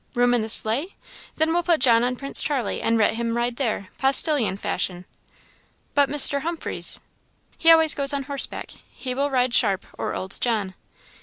"Room in the sleigh? Then we'll put John on Prince Charlie, and let him ride there, postilion fashion." "But Mr. Humphreys?" "He always goes on horse back; he will ride Sharp or old John."